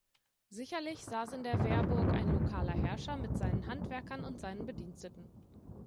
Sicherlich saß in der Wehrburg ein lokaler Herrscher mit seinen Handwerkern und seinen Bediensteten.